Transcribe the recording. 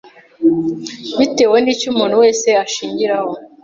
bitewe n’icyo umuntu wese ashingiraho